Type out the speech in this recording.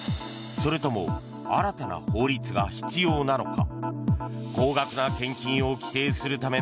それとも新たな法律が必要なのか。